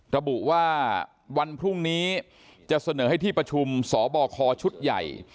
ระบุว่าวันพรุ่งนี้จะเสนอให้ที่ประชุมสบคชุดใหญ่